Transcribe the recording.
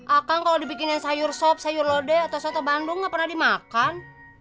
akang kalau dibikin yang sayur sop sayur lode atau soto bandung gak pernah dimakan